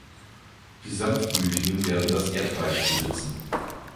Die Sanftmütigen werden das Erdreich besitzen.